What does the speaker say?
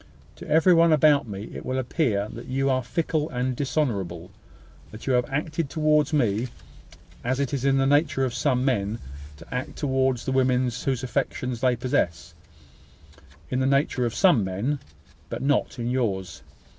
To every one about me it will appear that you are fickle and dishonourable that you have acted towards me as it is in the nature of some men to act towards the women whose affections they possess; in the nature of some men, but not in yours.